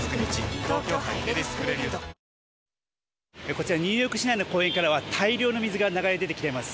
こちら、ニューヨーク市内の公園からは、大量の水が流れ出てきています。